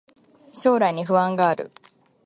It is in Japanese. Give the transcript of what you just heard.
将来に不安がある